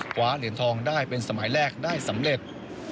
คว้าเหรียญทองได้เป็นสมัยแรกได้สำเร็จ